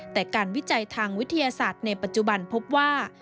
แต่การวิจัยทางวิทยาศาสตร์ในปัจจุบันพบว่า